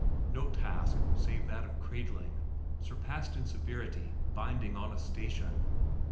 No task save that of "cradling" surpassed in severity "binding on a station."